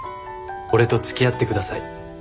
俺と付き合ってください。